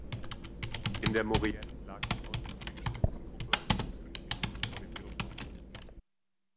In der Maurienne lag die neunköpfige Spitzengruppe gut fünf Minuten vor dem Peloton.